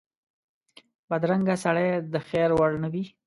بدرنګه سړی د خیر وړ نه وي